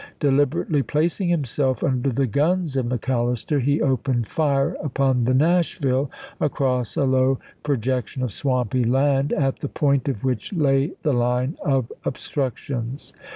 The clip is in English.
Deliberately placing himself under the guns of McAllister he opened fire upon the Nashville across a low projec tion of swampy land at the point of which lay the line of obstructions.